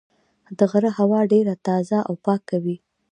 د غره هوا ډېره تازه او پاکه وي.